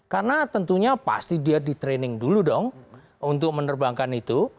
karena tentunya pasti dia di training dulu dong untuk menerbangkan itu